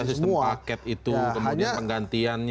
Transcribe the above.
sistem paket itu kemudian penggantiannya